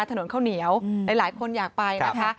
ถนนข้าวเหนียวหลายคนอยากไปนะคะ